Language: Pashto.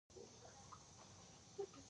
قبیله او خیل د پښتنو د پیژندنې لار ده.